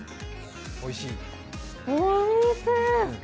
おいしい。